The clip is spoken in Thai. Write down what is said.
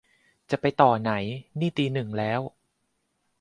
จะไปต่อไหน นี่ตีหนึ่งแล้ว